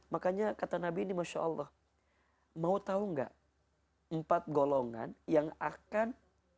makanya kata nabi ini masya allah mau tahu nggak empat golongan yang akan